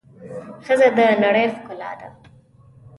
ښځه د د نړۍ ښکلا ده.